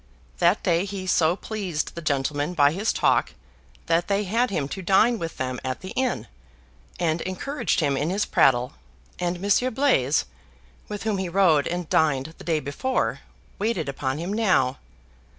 That day he so pleased the gentlemen by his talk, that they had him to dine with them at the inn, and encouraged him in his prattle; and Monsieur Blaise, with whom he rode and dined the day before, waited upon him now.